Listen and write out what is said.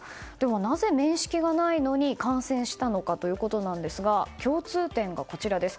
なぜ面識がないのに感染したのかということなんですが共通点が、こちらです。